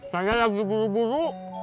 karena lagi buru buru